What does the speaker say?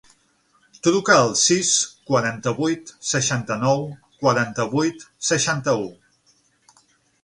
Truca al sis, quaranta-vuit, seixanta-nou, quaranta-vuit, seixanta-u.